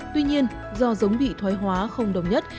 tuy nhiên do giống bị thoái hóa không đồng nhất